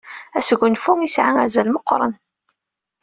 Asgunfu isɛa azal meqqren.